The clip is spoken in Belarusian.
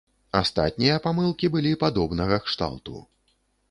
Астатнія памылкі былі падобнага кшталту.